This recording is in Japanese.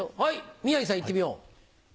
宮治さんいってみよう。